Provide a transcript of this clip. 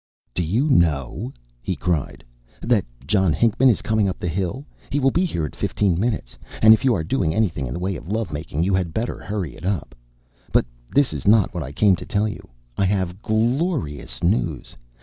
"Do you know," he cried, "that John Hinckman is coming up the hill? He will be here in fifteen minutes; and if you are doing anything in the way of love making, you had better hurry it up. But this is not what I came to tell you. I have glorious news!